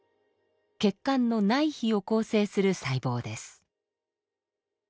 血管の内皮を構成する細胞です。